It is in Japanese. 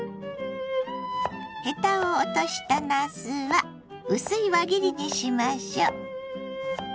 ヘタを落としたなすは薄い輪切りにしましょう。